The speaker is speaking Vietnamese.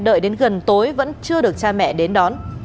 đợi đến gần tối vẫn chưa được cha mẹ đến đón